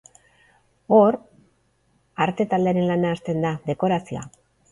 Hor, arte taldearen lana hasten da, dekorazioa.